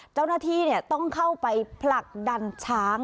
เจ้าหน้าที่ต้องเข้าไปผลักดันช้าง